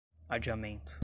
adiamento